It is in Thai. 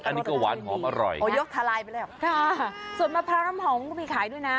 อันนี้ก็หวานหอมอร่อยนะส่วนมะพร้าวร้ำหอมก็มีขายด้วยนะ